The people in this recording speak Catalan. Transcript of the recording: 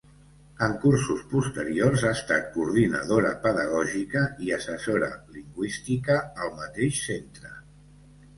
En cursos posteriors ha estat Coordinadora Pedagògica i Assessora Lingüística al mateix centre.